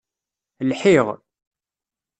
Lḥiɣ.